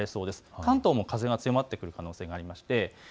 関東も風が強まってくる可能性がありそうです。